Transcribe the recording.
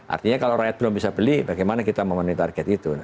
artinya kalau rakyat belum bisa beli bagaimana kita memenuhi target itu